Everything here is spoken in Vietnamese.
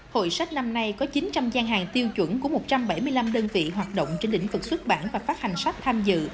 hội sách năm nay có chín trăm linh gian hàng tiêu chuẩn của một trăm bảy mươi năm đơn vị hoạt động trên lĩnh vực xuất bản và phát hành sách tham dự